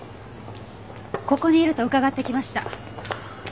ここにいると伺って来ました。